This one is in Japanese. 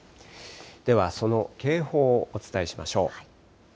では、その警報をお伝えしましょう。